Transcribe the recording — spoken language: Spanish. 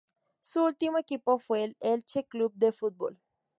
Su último equipo fue el Elche Club de Fútbol.